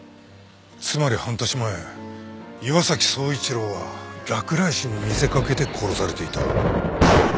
つまり半年前岩崎宗一郎は落雷死に見せかけて殺されていた。